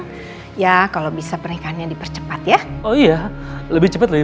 oh ya kalau bisa pernikahannya dipercepat ya oh iya lebih cepat lah